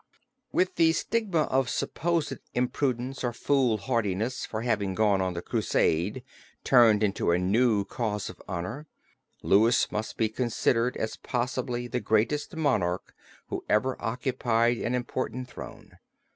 ] With the stigma of supposed imprudence or foolhardiness for having gone on the Crusade turned into a new cause for honor, Louis must be considered as probably the greatest monarch who ever occupied an important throne.